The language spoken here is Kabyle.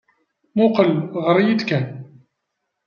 Mmuqqel, ɣer-iyi-d kan.